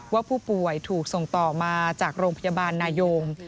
ว่าผู้ป่วยถูกส่งต่อมาจากโรงพยาบาลนายง